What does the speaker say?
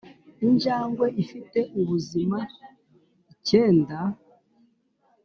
injangwe ifite ubuzima icyenda.